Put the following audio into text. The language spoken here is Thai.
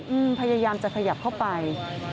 พยายามจะขยับเข้าไป